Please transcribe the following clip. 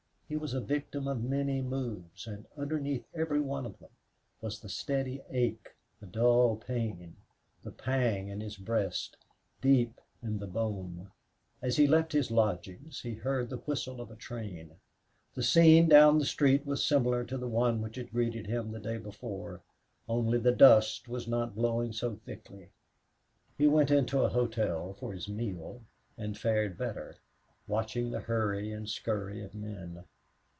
He was a victim of many moods, and underneath every one of them was the steady ache, the dull pain, the pang in his breast, deep in the bone. As he left his lodgings he heard the whistle of a train. The scene down the street was similar to the one which had greeted him the day before, only the dust was not blowing so thickly. He went into a hotel for his meal and fared better, watching the hurry and scurry of men.